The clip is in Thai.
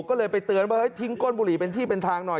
ก็เลยไปเตือนว่าเฮ้ยทิ้งก้นบุหรี่เป็นที่เป็นทางหน่อย